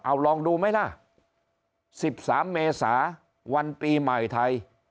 เอาลองดูไหมล่ะ๑๓เมษาวันปีใหม่ไทย